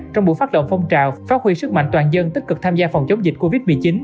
trong buổi phát động phong trào phát huy sức mạnh toàn dân tích cực tham gia phòng chống dịch covid một mươi chín